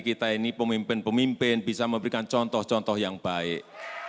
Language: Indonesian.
kita ini pemimpin pemimpin bisa memberikan contoh contoh yang baik